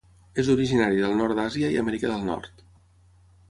És originari del nord d'Àsia i Amèrica del Nord.